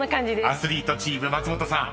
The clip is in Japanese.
［アスリートチーム松本さん］